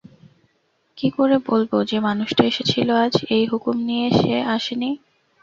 কী করে বলব যে-মানুষটা এসেছিল আজ, এই হুকুম নিয়েই সে আসে নি?